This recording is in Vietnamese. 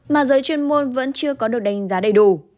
mà giới chuyên môn vẫn chưa có được đánh giá đầy đủ